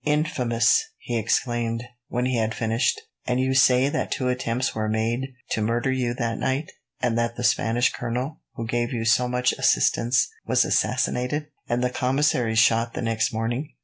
"Infamous!" he exclaimed, when he had finished. "And you say that two attempts were made to murder you that night, and that the Spanish colonel who gave you so much assistance was assassinated, and the commissaries shot the next morning?